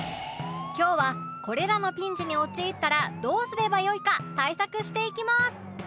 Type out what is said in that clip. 今日はこれらのピンチに陥ったらどうすればよいか対策していきます！